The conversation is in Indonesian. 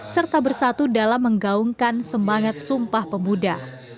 serta bersatu dalam menggaungkan semangat sumpah pemuda